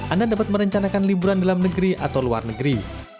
anda dapat merencanakan liburan dalam negeri atau luar negeri